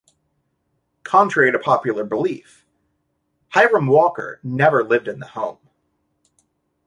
Contrary to popular belief, Hiram Walker never lived in the home.